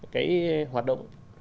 cái hoạt động